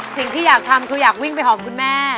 สิ่งที่อยากทำคืออยากวิ่งไปหอมคุณแม่